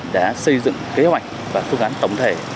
đã xây dựng kế hoạch và phương án tổng thể